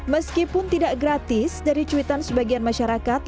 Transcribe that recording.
meskipun tidak gratis dari cuitan sebagian masyarakat